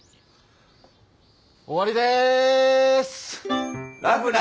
終わりでぇす！